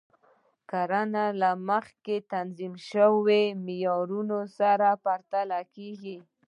کړنې له مخکې تنظیم شوو معیارونو سره پرتله کیږي.